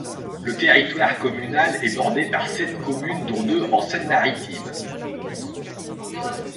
Le territoire communal est bordé par sept communes dont deux en Seine-Maritime.